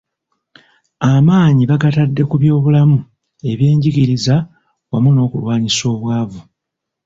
Amaanyi bagatadde ku by'obulamu, ebyenjigiriza wamu n'okulwanyisa obwavu.